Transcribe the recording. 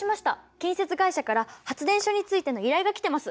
建設会社から発電所についての依頼が来てます。